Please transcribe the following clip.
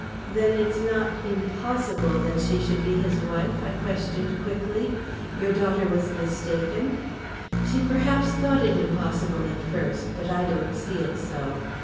"Then it's not impossible that she should be his wife?" I questioned quickly. "Your daughter was mistaken?" "She perhaps thought it impossible at first; but I don't see it so.